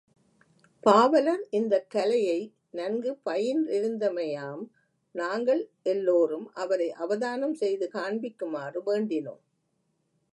பாவலர் இந்தக்கலையை நன்கு பயின்றிருந்தமையாம் நாங்கள் எல்லோரும் அவரை அவதானம் செய்து காண்பிக்குமாறு வேண்டினோம்.